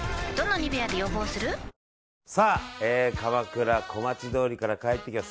鎌倉小町通りから帰ってきました。